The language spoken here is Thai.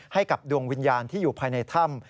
ให้กับดวงวิญญาณที่อยู่ภายในถ้ำ